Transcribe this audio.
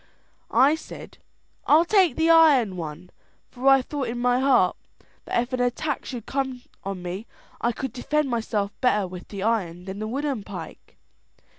I said, 'I'll take the iron one;' for I thought in my heart that if an attack should come on me, I could defend myself better with the iron than the wooden pike.